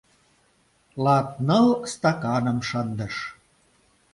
Латныл стаканым шындыш.